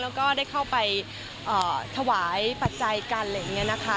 แล้วก็ได้เข้าไปถวายปัจจัยกันอะไรอย่างนี้นะคะ